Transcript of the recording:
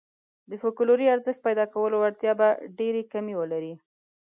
د فوکلوري ارزښت پيدا کولو وړتیا به ډېرې کمې ولري.